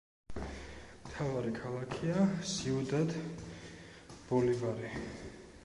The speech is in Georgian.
მთავარი ქალაქია სიუდად-ბოლივარი.